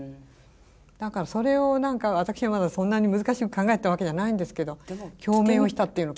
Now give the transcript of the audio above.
だからそれを何か私はまだそんなに難しく考えてたわけじゃないんですけど共鳴をしたっていうのか。